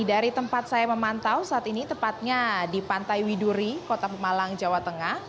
dari tempat saya memantau saat ini tepatnya di pantai widuri kota pemalang jawa tengah